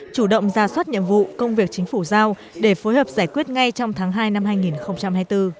chủ động ra soát nhiệm vụ công việc chính phủ giao để phối hợp giải quyết ngay trong tháng hai năm hai nghìn hai mươi bốn